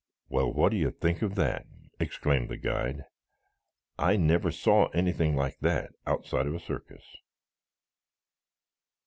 "Well, what do you think of that?" exclaimed the guide. "I never saw anything like that outside of a circus."